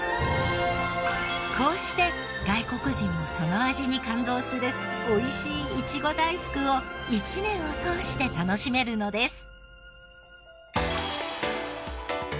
こうして外国人もその味に感動する美味しいいちご大福を一年を通して楽しめるのです。